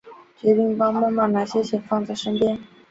决定向妈妈拿些钱放在身边